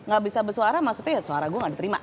gak bisa bersuara maksudnya ya suara gue gak diterima